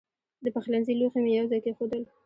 د پخلنځي لوښي مې یو ځای کېښودل.